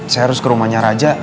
saya harus ke rumahnya raja